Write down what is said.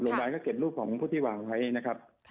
รายก็เก็บรูปของผู้ที่วางไว้นะครับ